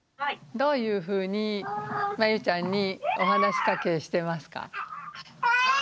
どういうふうにまゆちゃんにお話かけしてますか？